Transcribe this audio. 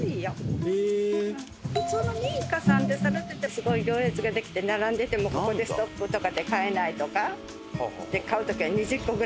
普通の民家さんでされててすごい行列ができて並んでてもここでストップとかで買えないとか。